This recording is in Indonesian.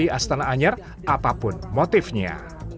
di astana anyar apapun motifnya